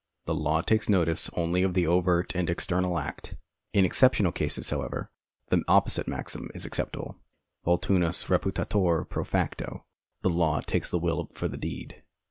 The law takes notice only of the overt and external act. In exceptional cases, however, the opposite maxim is applicable : Voluntas reputatur pro facto — The law takes the will for the deed.